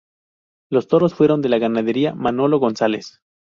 Los toros fueron de la ganadería Manolo González.